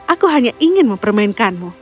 aku hanya ingin mempermainkanmu